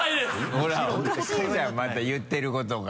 ほらおかしいじゃんまた言ってることが。